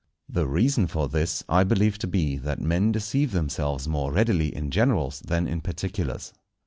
The reason for this I believe to be, that men deceive themselves more readily in generals than in particulars.